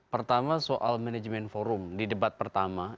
pertama soal manajemen forum di debat pertama